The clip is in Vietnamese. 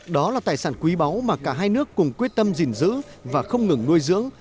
đó là tài sản quý báu mà cả hai nước cùng quyết tâm gìn giữ và không ngừng nuôi dưỡng